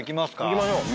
いきましょう。